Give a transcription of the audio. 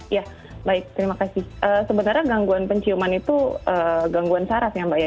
ya baik terima kasih sebenarnya gangguan penciuman itu gangguan saraf ya mbak ya